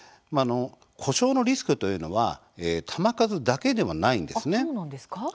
故障のリスクというのは球数だけではないんですね。